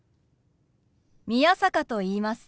宮坂と言います。